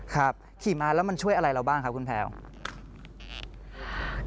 ขี่มาแล้วมันช่วยอะไรเราบ้างครับคุณแพลว